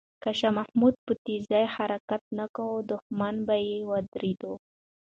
که شاه محمود په تېزۍ حرکت نه کوي، دښمن به یې ودروي.